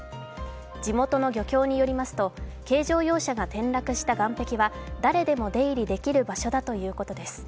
地元の漁協によりますと軽乗用車が転落した岸壁は誰でも出入りできる場所だということです。